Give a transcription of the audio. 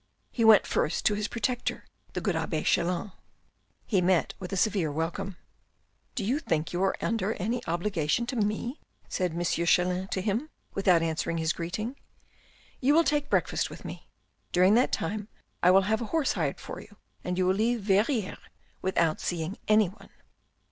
He went first to his protector the good abbe Chelan. He met with a severe welcome. " Do you think you are under any obligation to me ?" said M. Chelan to him, without answering his greeting. " You will take breakfast with me. During that time I will have a horse hired for you and you will leave Verrieres without seeing anyone."